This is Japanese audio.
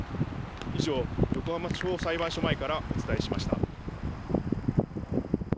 以上、横浜地方裁判所前からお伝えしました。